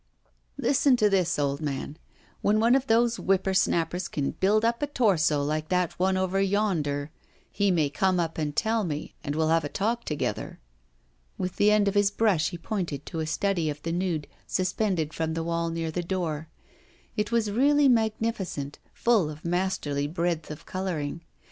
'Listen to this, old man: when one of those whipper snappers can build up a torso like that one over yonder, he may come up and tell me, and we'll have a talk together.' With the end of his brush he pointed to a study of the nude, suspended from the wall near the door. It was really magnificent, full of masterly breadth of colouring.